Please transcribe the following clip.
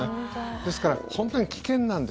ですから、本当に危険なんです。